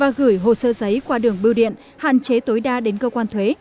và gửi hồ sơ giấy qua đường bưu điện hạn chế tối đa đến cơ quan thuế